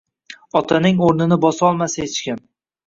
Otaning urnini bosolmas xechkim